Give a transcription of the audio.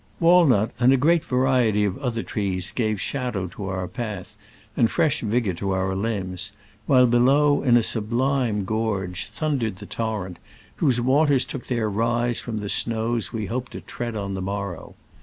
Walnut and a great variety of other trees gave shadow to our path and fresh vigor to our limbs, while below, in a sublime gorge, thundered the torrent, whose waters took their rise from the snows we hoped to tread on the morrow.